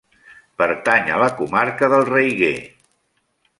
Pertany a la comarca del Raiguer.